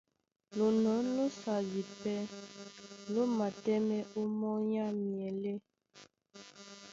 Lonɔ̌n lósadi pɛ́ ló matɛ́mɛ́ ómɔ́ny á myelé.